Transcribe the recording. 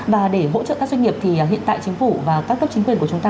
và để hỗ trợ các doanh nghiệp thì hiện tại chính phủ và các cấp chính quyền của chúng ta